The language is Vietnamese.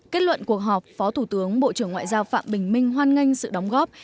kết luận cuộc họp phó thủ tướng bộ trưởng ngoại giao phạm bình minh hoan nghênh sự đóng góp